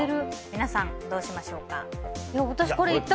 皆さん、どうしましょうか。